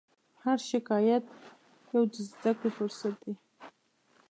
هر شکایت یو د زدهکړې فرصت دی.